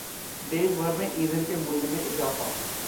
देश भर में ईंधन के मूल्य में इजाफा